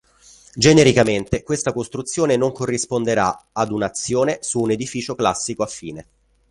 Genericamente questa costruzione non corrisponderà ad un'azione su un edificio classico affine.